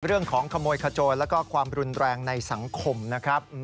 เรื่องของขโมยขโจรแล้วก็ความรุนแรงในสังคมนะครับ